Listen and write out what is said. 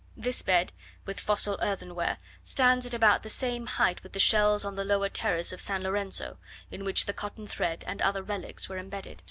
This bed, with fossil earthenware, stands at about the same height with the shells on the lower terrace of San Lorenzo, in which the cotton thread and other relics were embedded.